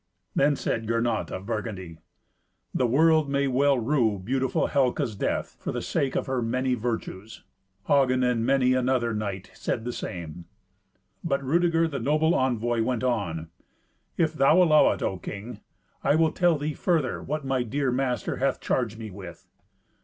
Then said Gernot of Burgundy, "The world may well rue beautiful Helca's death, for the sake of her many virtues." Hagen and many another knight said the same. But Rudeger, the noble envoy, went on: "If thou allow it, O king, I will tell thee further what my dear master hath charged me with.